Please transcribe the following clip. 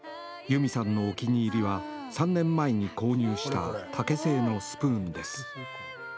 由美さんのお気に入りは３年前に購入した竹製のスプーンです。